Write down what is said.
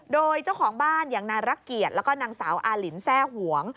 โดยเจ้าของบ้านอย่างนายรักเกียรติแล้วก็นางสาวอาลินแทร่หวง